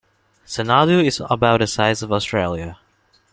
Xanadu is about the size of Australia.